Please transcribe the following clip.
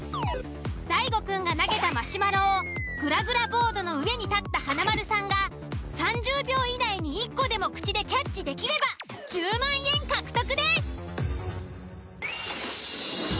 大悟くんが投げたマシュマロをグラグラボードの上に立った華丸さんが３０秒以内に１個でも口でキャッチできれば１０万円獲得です。